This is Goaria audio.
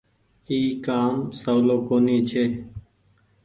اي ڪآ م سولو ڪونيٚ ڇي ۔